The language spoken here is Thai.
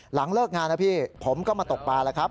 หลังเลิกงานนะพี่ผมก็มาตกปลาแล้วครับ